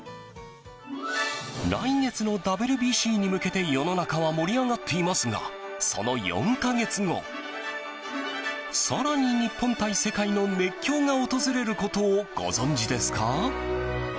来月のＷＢＣに向けて世の中は盛り上がっていますがその４か月後、更に日本対世界の熱狂が訪れることをご存じですか？